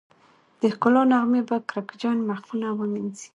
د ښکلا نغمې به کرکجن مخونه ومينځي